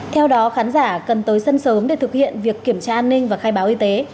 theo đó khán giả cần tới sân sớm để thực hiện việc kiểm tra an ninh và khai báo y tế